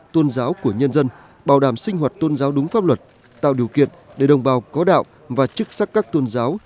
tôn giáo của nhân dân bảo đảm sinh hoạt tôn giáo đúng pháp luật tạo điều kiện để đồng bào có đạo và chức sắc các tôn giáo